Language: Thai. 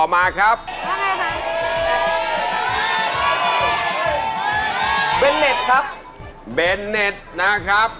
เอาไว้ท้ายนะครับ